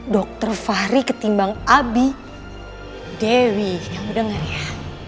dokter fahri ketimbang abi dewi yang udah ngeri ya